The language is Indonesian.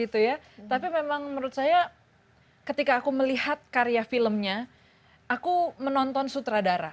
tapi memang menurut saya ketika aku melihat karya filmnya aku menonton sutradara